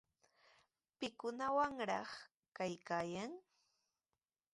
¿Pikunataq naanitraw kaykaayan?